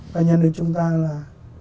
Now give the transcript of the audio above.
và nhà nước chúng ta là